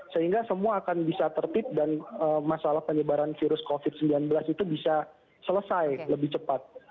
sehingga semua akan bisa tertib dan masalah penyebaran virus covid sembilan belas itu bisa selesai lebih cepat